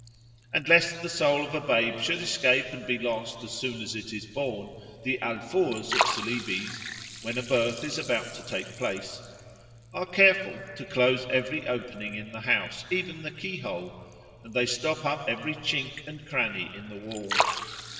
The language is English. And lest the soul of a babe should escape and be lost as soon as it is born, the Alfoors of Celebes, when a birth is about to take place, are careful to close every opening in the house, even the keyhole; and they stop up every chink and cranny in the walls.